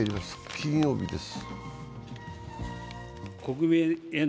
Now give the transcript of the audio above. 金曜日です。